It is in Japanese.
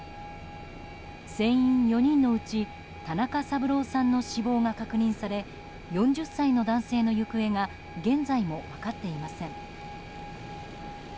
船員４人のうち田中三郎さんの死亡が確認され４０歳の男性の行方が現在も分かっていません。